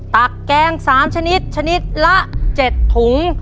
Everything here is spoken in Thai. ตักแกง๓ชนิดชนิดละ๗ถุง